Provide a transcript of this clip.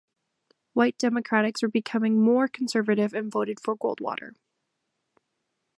White Democratics were becoming more conservative and voted for Goldwater.